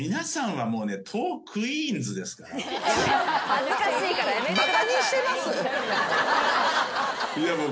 恥ずかしいからやめてください。